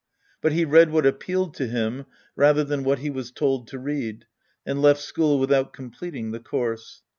But he read what appealed to him rather than what he was told to read and left school without completing ' the course.